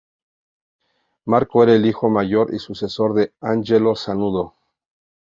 Marco era el hijo mayor y sucesor de Angelo Sanudo.